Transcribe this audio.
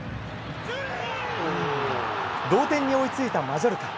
同点に追いついたマジョルカ。